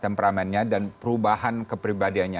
temperamennya dan perubahan kepribadiannya